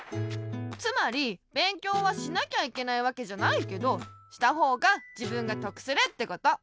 つまりべんきょうはしなきゃいけないわけじゃないけどしたほうがじぶんがとくするってこと。